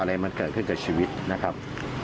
อะไรมันเกิดขึ้นกับชีวิตนะครับ